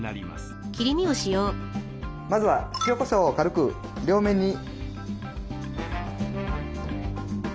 まずは塩こしょうを軽く両面に。